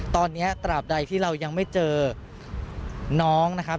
ตอนนี้ตราบใดที่เรายังไม่เจอน้องนะครับ